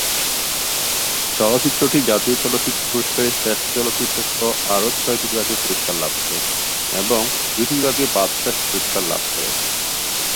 চলচ্চিত্রটি জাতীয় চলচ্চিত্র পুরস্কারে শ্রেষ্ঠ চলচ্চিত্রসহ আরও ছয়টি বিভাগে পুরস্কার লাভ করে, এবং দুটি বিভাগে বাচসাস পুরস্কার লাভ করে।